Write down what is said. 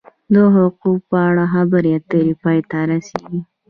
د حقوقو په اړه خبرې اترې پای ته رسیږي.